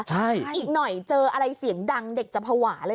ใช่อีกหน่อยเจออะไรเสียงดังเด็กจะภาวะเลย